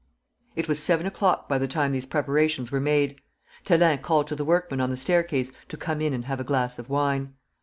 "It was seven o'clock by the time these preparations were made. Thélin called to the workmen on the staircase to come in and have a glass of wine.